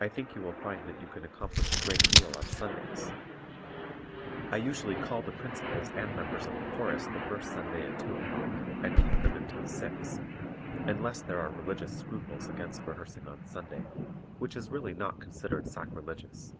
I think you will find that you can accomplish a great deal on Sundays. I usually call the principals and members of the chorus the first Sunday at 2 o'clock, and keep them until six, unless there are religious scruples against rehearsing on Sunday, which is really not considered sacrilegious.